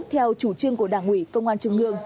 theo chủ trương của đảng ủy công an trung ương